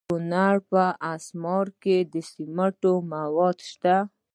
د کونړ په اسمار کې د سمنټو مواد شته.